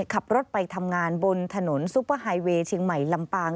ขับรถไปทำงานบนถนนซุปเปอร์ไฮเวย์เชียงใหม่ลำปาง